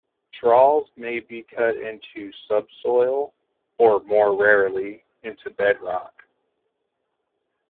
Troughs may be cut into subsoil or, more rarely, into bedrock.